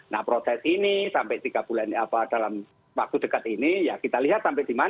nah proses ini sampai tiga bulan dalam waktu dekat ini ya kita lihat sampai di mana